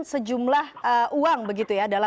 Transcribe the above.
sejumlah uang begitu ya